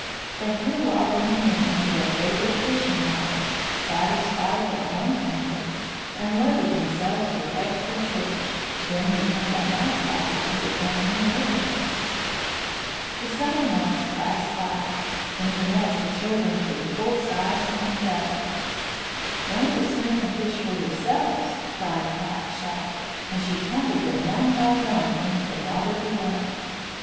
They flew off in the morning to their favourite fishing waters, satisfied their own hunger, and loaded themselves with extra fish, then returned at nightfall to feed the clamouring little ones. The summer months passed by. In the nest the children grew full sized and feathered. "Learn to swim and fish for yourselves," cried Black Shag, and she tumbled them one by one into the water below.